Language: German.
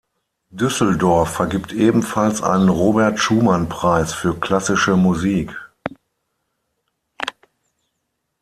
Düsseldorf vergibt ebenfalls einen "Robert-Schumann-Preis für klassische Musik.